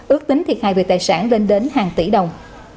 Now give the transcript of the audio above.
ước tính thiệt hại về tài sản lên đến hàng tỷ đồng